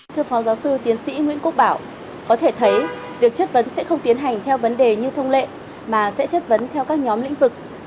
thưa phó giáo sư tiến sĩ nguyễn quốc bảo có thể thấy việc chất vấn sẽ không tiến hành theo vấn đề như thông lệ mà sẽ chất vấn theo các nhóm lĩnh vực